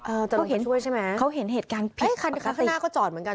เอ่อเขาเห็นเขาเห็นเหตุการณ์ผิดเอ้ยข้างหน้าก็จอดเหมือนกัน